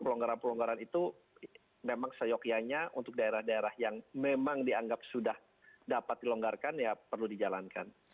pelonggaran pelonggaran itu memang seyokianya untuk daerah daerah yang memang dianggap sudah dapat dilonggarkan ya perlu dijalankan